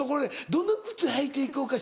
「どの靴履いていこうかしら」。